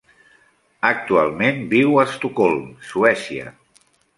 Actualment viu a Estocolm, Suècia.